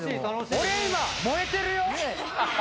俺、今、燃えてるよ！